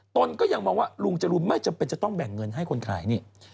ตนก็ยังมองว่าลุงจรูนไม่จำเป็นจะต้องแบ่งเงินให้คนขายนี่